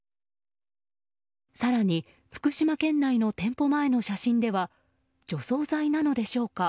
更に福島県内の店舗前の写真では除草剤なのでしょうか。